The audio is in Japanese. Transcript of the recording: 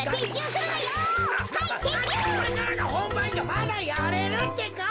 まだやれるってか。